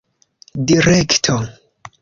direkto